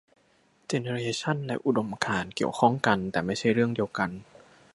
เจเนเรชันและอุดมการณ์เกี่ยวข้องกันแต่ไม่ใช่เรื่องเดียวกัน